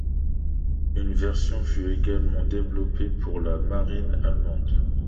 Une version fut également développée pour la marine allemande.